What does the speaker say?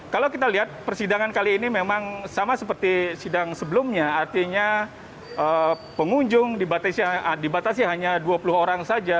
kalau kita lihat persidangan kali ini memang sama seperti sidang sebelumnya artinya pengunjung dibatasi hanya dua puluh orang saja